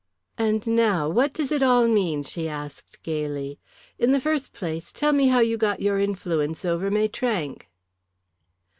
"And now what does it all mean?" she asked gaily. "In the first place, tell me how you got your influence over Maitrank."